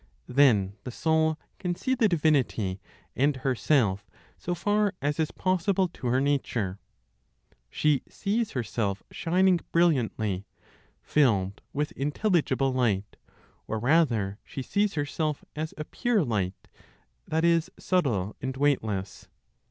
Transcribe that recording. Then the soul can see the Divinity and herself, so far as is possible to her nature. She sees herself shining brilliantly, filled with intelligible light; or rather, she sees herself as a pure light, that is subtle and weightless.